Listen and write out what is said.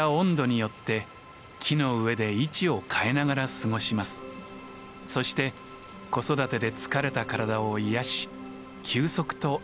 そして子育てで疲れた体を癒やし休息と栄養をとるのです。